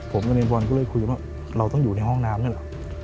ผมกับในบอลก็เลยคุยกันว่าเราต้องอยู่ในห้องน้ำนั่นเหรอ